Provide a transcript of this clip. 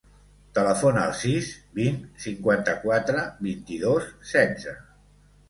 Telefona al sis, vint, cinquanta-quatre, vint-i-dos, setze.